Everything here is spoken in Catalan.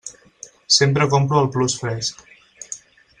Sempre compro al Plus Fresc.